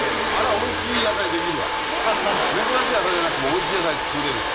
珍しい野菜じゃなくてもおいしい野菜作れる人だね。